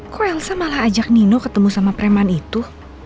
kok elsa malah ajak nino ketemu sama preman itu